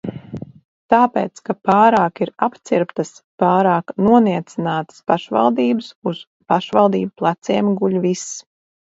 "Tāpēc, ka pārāk ir "apcirptas", pārāk noniecinātas pašvaldības, uz pašvaldību pleciem guļ viss."